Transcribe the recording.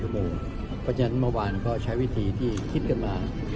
เพราะฉะนั้นเมื่อวานก็ใช้วิธีที่คิดกันมา